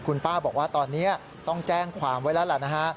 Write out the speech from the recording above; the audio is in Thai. คุณป้าบอกว่าตอนนี้ต้องแจ้งความไว้แล้วล่ะนะฮะ